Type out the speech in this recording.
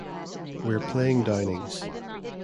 We're playing Downing's.